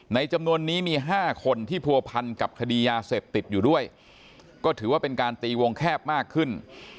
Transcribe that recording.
จำนวนนี้มี๕คนที่ผัวพันกับคดียาเสพติดอยู่ด้วยก็ถือว่าเป็นการตีวงแคบมากขึ้น